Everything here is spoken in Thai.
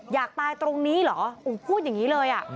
อยากตายตรงนี้เหรอพูดอย่างนี้เลยอ่ะ